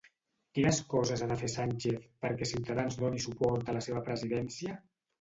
Quines coses ha de fer Sánchez perquè Ciutadans doni suport a la seva presidència?